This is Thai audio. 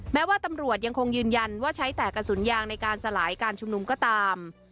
แม้ว่าตำรวจยังคงยืนยันว่าใช้แต่กระสุนยางในการสลายการชุมนุมก็ตาม